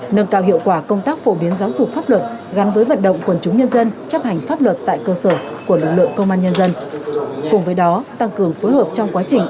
nâng cao hiệu quả công tác phổ biến giáo dục pháp luật gắn với vận động quần chúng nhân dân chấp hành pháp luật tại cơ sở của lực lượng công an nhân dân